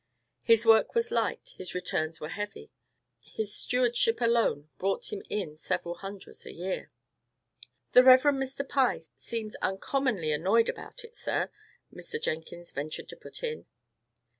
His work was light; his returns were heavy; his stewardship alone brought him in several hundreds a year. "The Reverend Mr. Pye seems uncommonly annoyed about it, sir," Mr. Jenkins ventured to put in.